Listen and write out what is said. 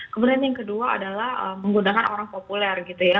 kemudian yang kedua adalah menggunakan orang populer gitu ya